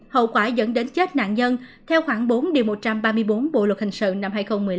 hậu quả dẫn đến chết nạn nhân theo khoảng bốn một trăm ba mươi bốn bộ luật hình sự năm hai nghìn một mươi năm